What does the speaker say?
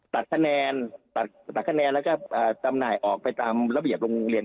ตัดคะแนนตัดคะแนนแล้วก็จำหน่ายออกไปตามระเบียบโรงเรียน